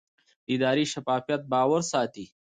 اداري شفافیت باور ساتي